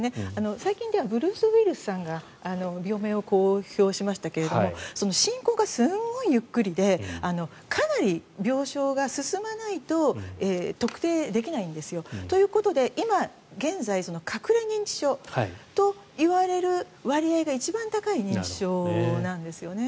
最近ではブルース・ウィリスさんが病名を公表しましたが進行がすごくゆっくりでかなり病状が進まないと特定できないんですよ。ということで今現在隠れ認知症といわれる割合が一番高い認知症なんですよね。